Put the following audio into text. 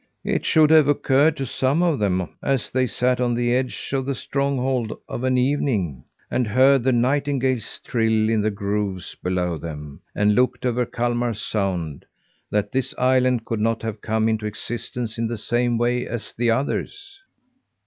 "It should have occurred to some of them, as they sat on the edge of the stronghold of an evening, and heard the nightingales trill in the groves below them, and looked over Kalmar Sound, that this island could not have come into existence in the same way as the others."